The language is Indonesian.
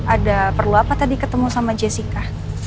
ada perlu apa tadi ketemu sama jessica